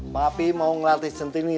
mbak pi mau ngelatih sentini